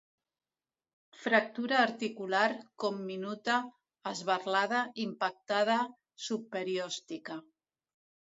Fractura articular, comminuta, esberlada, impactada, subperiòstica.